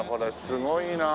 すごいな。